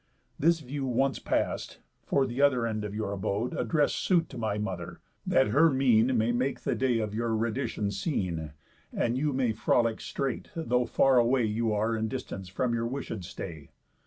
This view once past, for th' end of your abode, Address suit to my mother, that her mean May make the day of your redition seen, And you may frolic straight, though far away You are in distance from your wishéd stay.